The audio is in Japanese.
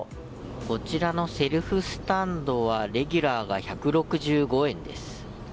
こちらのセルフスタンドはレギュラーが１６５円です。